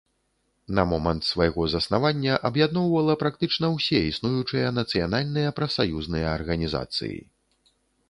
На момант свайго заснавання аб'ядноўвала практычна ўсе існуючыя нацыянальныя прафсаюзныя арганізацыі.